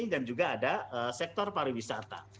dan juga ada sektor pariwisata